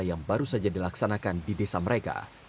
yang baru saja dilaksanakan di desa mereka